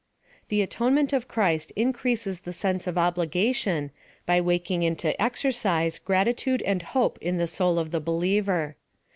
The atonement of Christ increases the sense of obligation, by waking into exercise gratitude and hope in the soul of the believer.